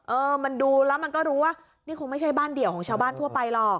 เออมันดูแล้วมันก็รู้ว่านี่คงไม่ใช่บ้านเดี่ยวของชาวบ้านทั่วไปหรอก